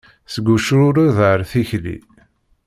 Seg ucrured ar tikli.